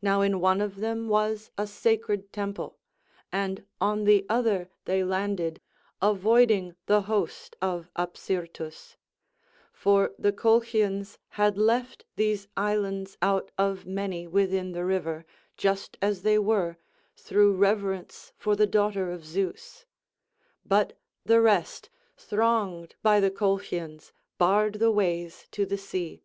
Now in one of them was a sacred temple; and on the other they landed, avoiding the host of Apsyrtus; for the Colchians had left these islands out of many within the river, just as they were, through reverence for the daughter of Zeus; but the rest, thronged by the Colchians, barred the ways to the sea.